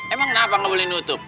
emang kenapa nggak boleh nutup